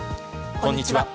こんにちは。